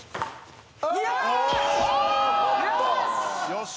よし！